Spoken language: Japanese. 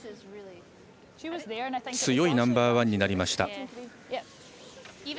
強いナンバーワンになりました。